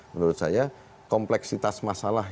menurut saya kompleksitas masalah